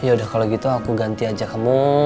yaudah kalo gitu aku ganti aja kamu